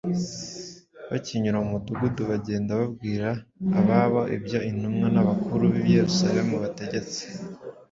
Bakinyura mu mudugudu, bagenda babwira ab’aho ibyo intumwa n’abakuru b’i Yerusalemu bategetse,